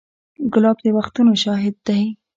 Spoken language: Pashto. ګلاب د وختونو شاهد دی.